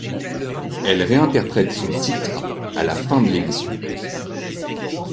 Elle réinterprète son titre à la fin de l'émission.